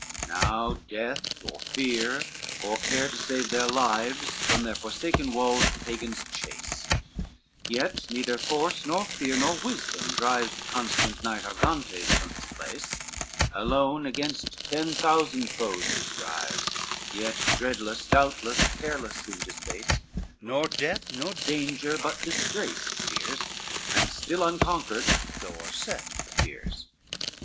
I Now death or fear or care to save their lives From their forsaken walls the Pagans chase: Yet neither force nor fear nor wisdom drives The constant knight Argantes from his place; Alone against ten thousand foes he strives, Yet dreadless, doubtless, careless seemed his face, Nor death, nor danger, but disgrace he fears, And still unconquered, though o'erset, appears.